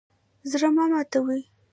زړه مه ماتوئ